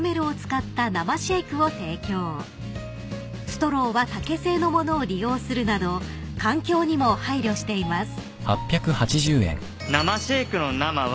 ［ストローは竹製の物を利用するなど環境にも配慮しています］